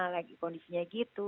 lagi kondisinya gitu